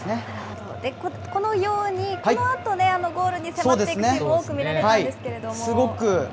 このように、このあとでゴールに迫っていくところ、多く見られたんですけど。